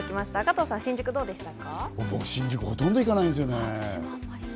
俺、新宿ほとんど行かないんですよね。